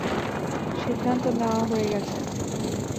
সিদ্ধান্ত নেওয়া হয়ে গেছে।